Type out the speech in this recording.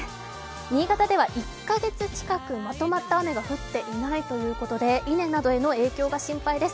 新潟では１か月近くまとまった雨が降っていないということで稲などへの影響が心配です。